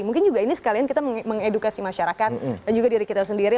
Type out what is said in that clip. mungkin juga ini sekalian kita mengedukasi masyarakat dan juga diri kita sendiri